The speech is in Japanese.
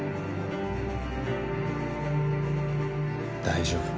大丈夫。